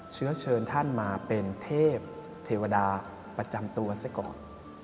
เชื้อเชิญท่านมาเป็นเทพเทวดาประจำตัวซะก่อน